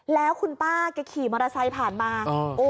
แล้วคุณป้าแกขี่มอเตอร์ไซค์ผ่านมา